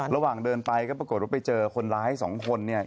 ระหว่างเดินไปก็ปรากฏว่าไปเจอคนร้ายสองคนเนี่ย